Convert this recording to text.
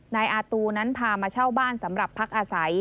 นายอาตูนั้นพามาเช่าบ้านสำหรับพักอาศัย